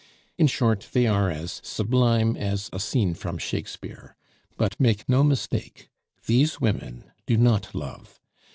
In short, they are as sublime as a scene from Shakespeare. But make no mistake! These women do not love.